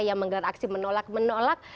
yang menggelar aksi menolak menolak